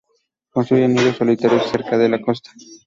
Construye nidos solitarios cerca de la costa.